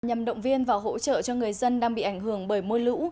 nhằm động viên và hỗ trợ cho người dân đang bị ảnh hưởng bởi mưa lũ